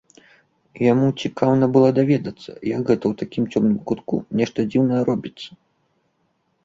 Яму цікаўна было даведацца, як гэта ў такім цёмным кутку нешта дзіўнае робіцца.